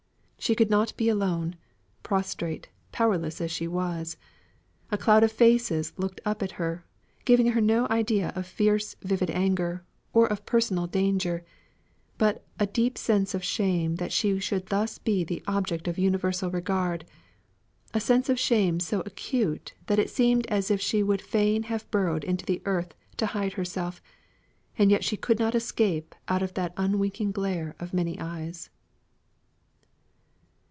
She could not be alone, prostrate, powerless as she was, a cloud of faces looked up at her, giving her no idea of fierce vivid anger, or of personal danger, but a deep sense of shame that she should thus be the object of universal regard a sense of shame so acute that it seemed as if she would fain have burrowed into the earth to hide herself, and yet she could not escape out of that unwinking glare of many eyes.